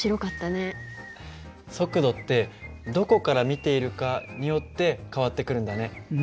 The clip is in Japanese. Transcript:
速度ってどこから見ているかによって変わってくるんだね。